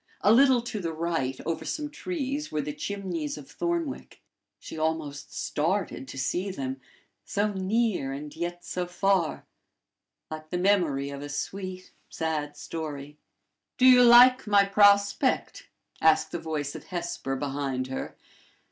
A little to the right, over some trees, were the chimneys of Thornwick. She almost started to see them so near, and yet so far like the memory of a sweet, sad story. "Do you like my prospect?" asked the voice of Hesper behind her.